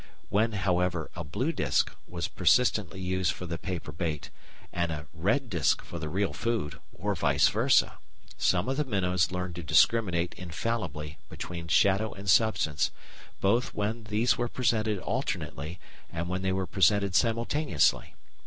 When, however, a blue disc was persistently used for the paper bait and a red disc for the real food, or vice versa, some of the minnows learned to discriminate infallibly between shadow and substance, both when these were presented alternately and when they were presented simultaneously.